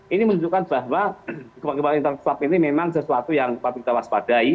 ini menunjukkan bahwa gempa gempa intervab ini memang sesuatu yang patut kita waspadai